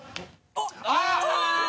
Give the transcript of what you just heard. あっ！